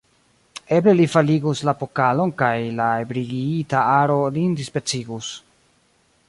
Eble, li faligus la pokalon kaj la ebriigita aro lin dispecigus.